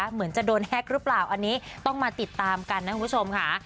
เหมือนจะโดนแฮ็กหรือเปล่าอันนี้ต้องมาติดตามกันนะคุณผู้ชมค่ะ